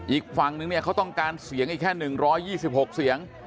อีกฝั่งนึงเนี่ยเขาต้องการเสียงอีกแค่๑๒๖เสียง